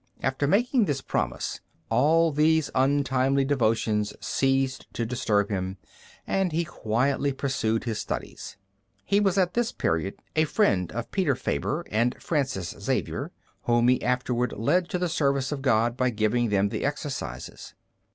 After making this promise, all these untimely devotions ceased to disturb him, and he quietly pursued his studies. He was at this period a friend of Peter Faber and Francis Xavier, whom he afterward led to the service of God by giving them the Exercises.